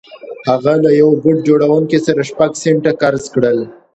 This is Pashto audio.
هغه له يوه بوټ جوړوونکي شپږ سنټه قرض کړل.